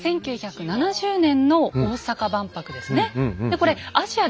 １９７０年の大阪万博ですね。